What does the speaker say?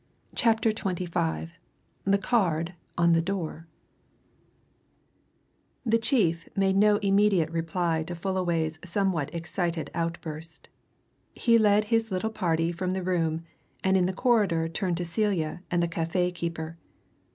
CHAPTER XXV THE CARD ON THE DOOR The chief made no immediate reply to Fullaway's somewhat excited outburst; he led his little party from the room, and in the corridor turned to Celia and the café keeper.